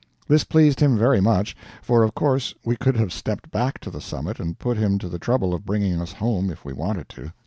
This pleased him very much, for of course we could have stepped back to the summit and put him to the trouble of bringing us home if we wanted to.